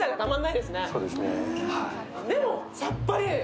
でも、さっぱり。